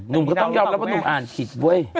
หนุ่มก็ต้องยอมรับว่าหนุ่มอ่านผิดเว้ย